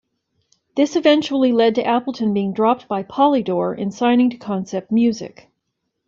This eventually led to Appleton being dropped by Polydor and signing to Concept Music.